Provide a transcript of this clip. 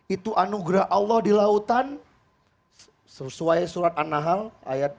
itu anugerah allah di lautan sesuai surat an nahal ayat dua